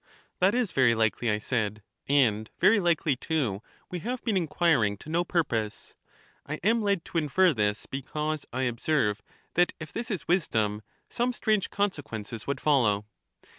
That is very likely, I said ; and very likely, too, we have been inquiring to no purpose. I am led to infer this, because I observe that if this is wisdom, some strange consequences would follow.